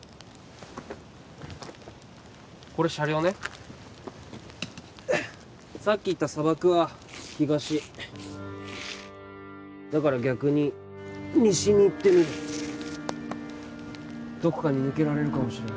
これ車両ねさっき行った砂漠は東だから逆に西に行ってみるどこかに抜けられるかもしれない